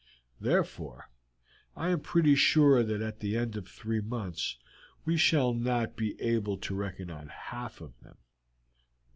Therefore, I am pretty sure that at the end of three months we shall not be able to reckon on half of them.